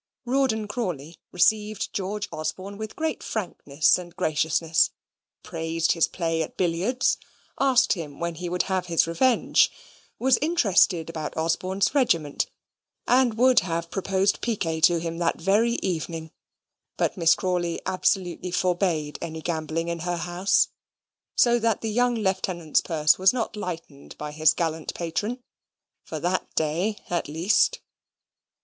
Rawdon Crawley received George Osborne with great frankness and graciousness: praised his play at billiards: asked him when he would have his revenge: was interested about Osborne's regiment: and would have proposed piquet to him that very evening, but Miss Crawley absolutely forbade any gambling in her house; so that the young Lieutenant's purse was not lightened by his gallant patron, for that day at least.